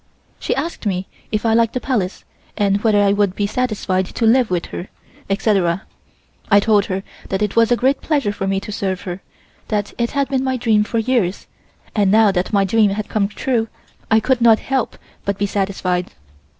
She asked me if I liked the Palace and whether I would be satisfied to live with her, etc. I told her that it was a great pleasure for me to serve her, that it had been my dream for years, and now that my dream had come true, I could not help but be satisfied.